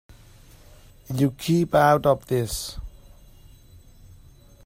You keep out of this.